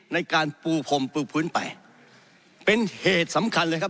ในการปูพรมปูพื้นไปเป็นเหตุสำคัญเลยครับ